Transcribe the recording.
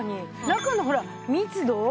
中のほら密度？